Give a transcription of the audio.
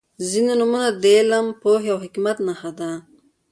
• ځینې نومونه د علم، پوهې او حکمت نښه ده.